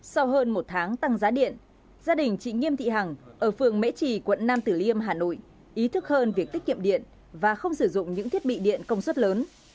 sau hơn một tháng tăng giá điện gia đình chị nghiêm thị hằng ở phường mễ trì quận nam tử liêm hà nội ý thức hơn việc tiết kiệm điện và không sử dụng những thiết bị điện công suất lớn